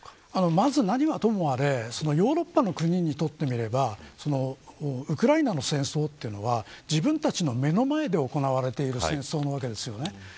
まずは何はともあれヨーロッパの国にとってみればウクライナの戦争は自分たちの目の前で行われている戦争なわけです。